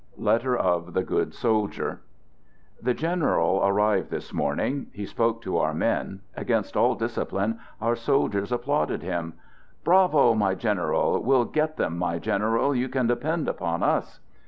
(Letter of "The Good Soldier'*) The general arrived this morning. He spoke to our men. Against all discipline, our soldiers ap plauded him: "Bravo! my general! We'll get them, my general! You can depend upon us!"